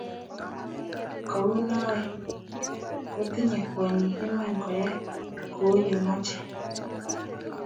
kou noee, ko tinyei kwonyik iman koyai kou yemochei